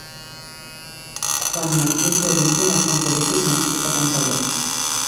Juan Martín Toribio va ser un polític nascut a Cantallops.